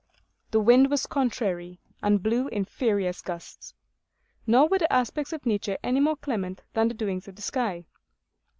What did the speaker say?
The wind was contrary, and blew in furious gusts; nor were the aspects of nature any more clement than the doings of the sky.